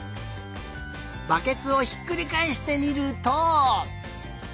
バケツをひっくりかえしてみると。